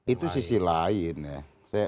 itu sisi lain ya